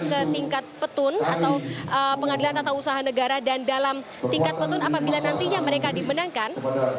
ke tingkat petun atau pengadilan tata usaha negara dan dalam tingkat petun apabila nantinya mereka dimenangkan